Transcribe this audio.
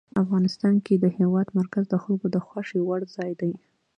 افغانستان کې د هېواد مرکز د خلکو د خوښې وړ ځای دی.